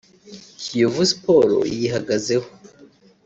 Kiyovu Sports yihagazeho